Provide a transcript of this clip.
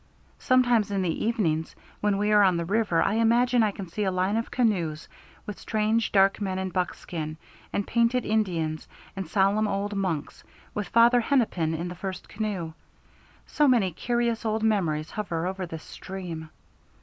Sometimes in the evenings when we are on the river, I imagine I can see a line of canoes with strange, dark men in buckskin, and painted Indians, and solemn old monks, with Father Hennepin in the first canoe. So many curious old memories hover over this stream."